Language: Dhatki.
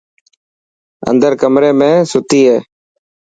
اندر ڪمري ۾ ستي هي.